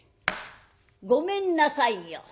「ごめんなさいよ。